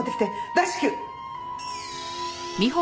大至急！